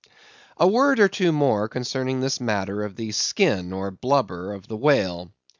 A word or two more concerning this matter of the skin or blubber of the whale.